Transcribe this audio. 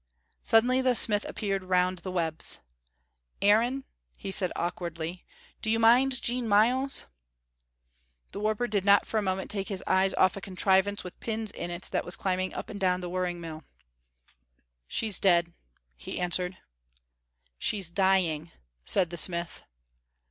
Suddenly the smith appeared round the webs. "Aaron," he said, awkwardly, "do you mind Jean Myles?" The warper did not for a moment take his eyes off a contrivance with pirns in it that was climbing up and down the whirring mill. "She's dead," he answered. "She's dying," said the smith.